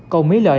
cầu mí lợi